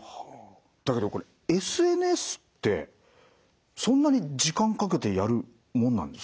だけどこれＳＮＳってそんなに時間かけてやるもんなんですか？